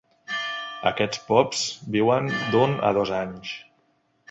Aquests pops viuen d'un a dos anys.